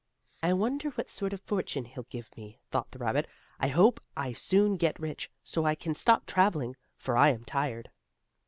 "I wonder what sort of a fortune he'll give me," thought the rabbit. "I hope I soon get rich, so I can stop traveling, for I am tired."